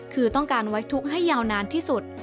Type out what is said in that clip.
คือต้องการไว้ทุกข์ให้ยาวนานที่สุด